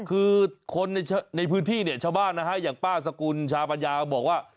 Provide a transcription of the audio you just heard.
คือคนในพื้นที่เนี่ยชาวบ้านนะฮะอย่างป้าสกุลชาปัญญาก็บอกว่า